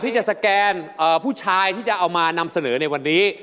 ที่จะสแกนผู้ชายที่จะเอามานำเสนอในวันนี้